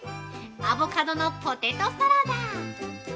アボカドのポテトサラダ。